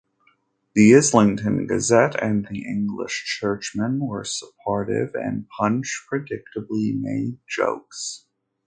The "Islington Gazette" and the English Churchman were supportive and Punch predictably made jokes.